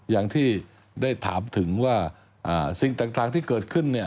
อย่างที่ได้ถามถึงว่าสิ่งต่างที่เกิดขึ้นเนี่ย